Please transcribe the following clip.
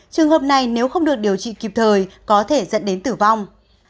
trường hợp này nếu không được điều trị kịp thời có thể dẫn đến tử vong